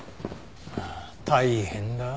大変だな。